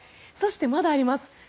そしてまだあります。